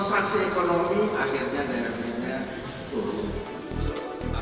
konstruksi ekonomi akhirnya daya remitnya turun